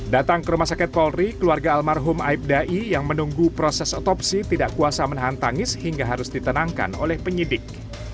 datang ke rumah sakit polri keluarga almarhum aibda i yang menunggu proses otopsi tidak kuasa menahan tangis hingga harus ditenangkan oleh penyidik